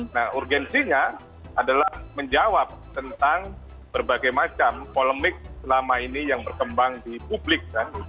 nah urgensinya adalah menjawab tentang berbagai macam polemik selama ini yang berkembang di publik